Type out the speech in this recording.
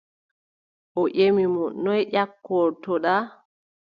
O ƴemi mo: noy ƴakkortoɗa ?